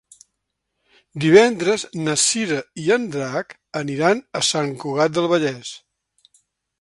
Divendres na Cira i en Drac aniran a Sant Cugat del Vallès.